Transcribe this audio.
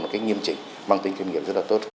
một cách nghiêm chỉnh mang tính chuyên nghiệp rất là tốt